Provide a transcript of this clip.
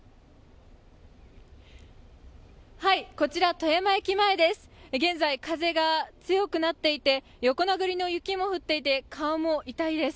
こちら、富山駅前です。